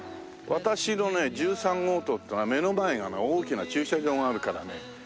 私のね１３号棟ってのは目の前がね大きな駐車場があるからね